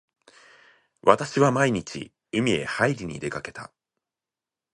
私は毎日海へはいりに出掛けた。